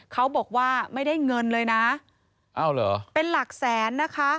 เขาบอกว่าไม่ได้เงินเลยนะเอาเหรอเป็นหลักแสนนะคะ